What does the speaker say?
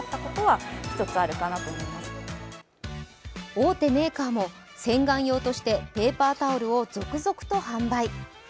大手メーカーも洗顔用として、ペーパータオルを続々と販売。